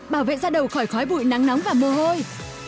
bảo vệ da đầu khỏi khói bụi nắng nóng và mù hôi